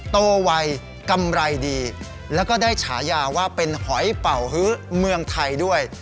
โตไวกำไรดีแล้วก็ได้ฉายาว่าเป็นหอยเป่าฮื้อเมืองไทยด้วย